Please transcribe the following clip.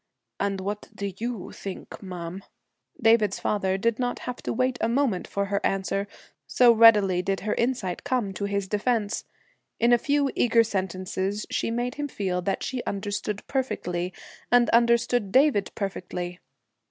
'And what do you think, ma'am?' David's father did not have to wait a moment for her answer, so readily did her insight come to his defense. In a few eager sentences she made him feel that she understood perfectly, and understood David perfectly.